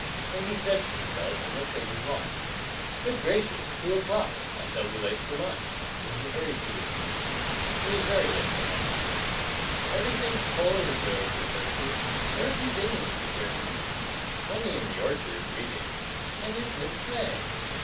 Then he stretched himself and looked at his watch. "Good gracious, two o'clock! I shall be late for lunch!" and he hurried to his feet. He was very late for lunch. "Everything's cold," wailed his hostess. "Where have you been, Mr. Jerningham?" "Only in the orchard reading." "And you've missed May!"